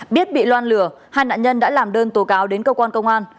biết bị loan lừa hai nạn nhân đã làm đơn tố cáo đến cơ quan công an